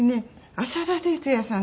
阿佐田哲也さん